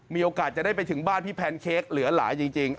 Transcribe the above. มีโอกาสจะได้ไปถึงบ้านพี่แพนเค้กเหลือหลายจริง